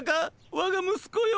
わが息子よ。